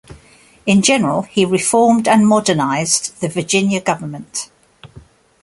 In general, he reformed and modernized the Virginia government.